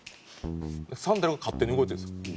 サンダルが勝手に動いてるんですよ。